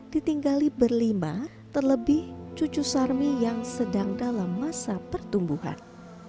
ditinggali berlima terlebih cucu sarmi yang sedang dalam masa pertumbuhan